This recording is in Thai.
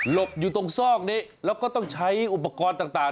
บอยู่ตรงซอกนี้แล้วก็ต้องใช้อุปกรณ์ต่าง